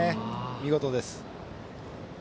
見事です。